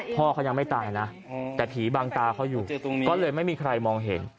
พ่อเขายังไม่ตายนะแต่ผีบางตาเขาอยู่ก็เลยไม่มีใครมองเห็น